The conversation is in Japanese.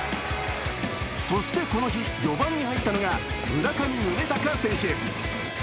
そしてこの日、４番に入ったのが村上宗隆選手。